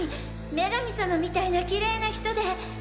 女神様みたいなキレイな人で。